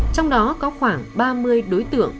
trong đó có khoảng ba mươi đối tượng